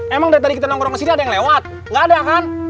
emang dari tadi kita nongkrong ke sini ada yang lewat nggak ada kan